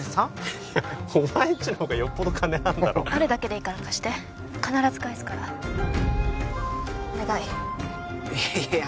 いやお前んちのほうがよっぽど金あんだろあるだけでいいから貸して必ず返すからお願いいや